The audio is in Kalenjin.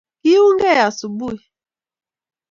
Kiungei asubui.